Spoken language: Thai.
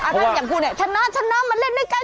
พอว่าอย่างขุมีชนะมาเล่นด้วยกัน